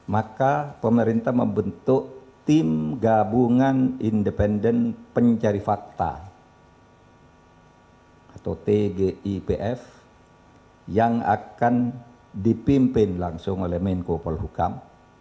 maka pemerintah membentuk tim gabungan independen pencari fakta atau tgipf yang akan dipimpin langsung oleh menko polhukam